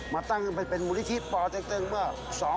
มาตั้งเป็นมูลิธีปลอดเต็มว่า๒๔๕๓